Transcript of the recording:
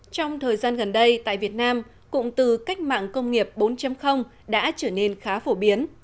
trong thời gian gần đây tại việt nam cụm từ cách mạng công nghiệp bốn đã trở nên khá phổ biến